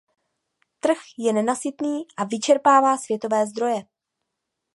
Trh je nenasytný a vyčerpává světové zdroje.